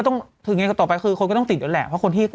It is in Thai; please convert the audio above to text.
ต้องถึงยังไงต่อไปคือคนก็ต้องติดอยู่แหละเพราะคนที่